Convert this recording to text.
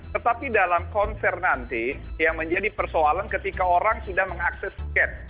tetapi dalam konser nanti yang menjadi persoalan ketika orang sudah mengakses sket